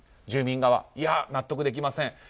住民側いや、納得できません。